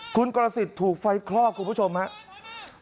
คุณกรสิทธิ์ถูกไฟคลอกคุณผู้ชมครับ